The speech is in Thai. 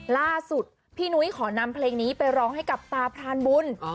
ล่าสุดพี่นุ้ยขอนำเพลงนี้ไปร้องให้กับตาพรานบุญ